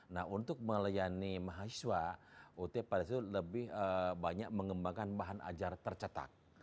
nah untuk melayani mahasiswa ut pada saat itu lebih banyak mengembangkan bahan ajar tercetak